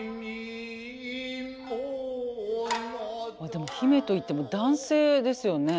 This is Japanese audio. でも姫といっても男性ですよね。